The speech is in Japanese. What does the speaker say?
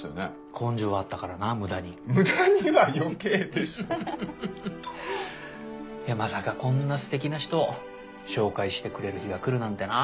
根性あったからな無駄にいやまさかこんなステキな人を紹介してくれる日が来るなんてなぁ